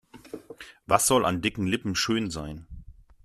Was soll an dicken Lippen schön sein?